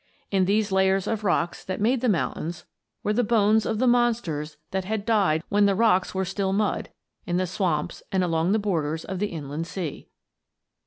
In these layers of rock that made the mountains were the bones of the monsters that had died when the rocks were still mud, in the swamps and along the borders of the inland sea.